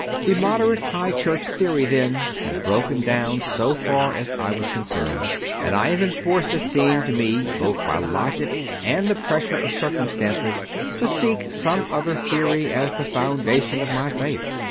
The "Moderate High Church" theory, then, had broken down so far as I was concerned, and I had been forced, it seemed to me, both by logic and the pressure of circum stances, to seek some other theory as the founda tion of my faith.